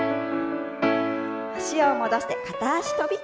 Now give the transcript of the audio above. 脚を戻して片足跳び。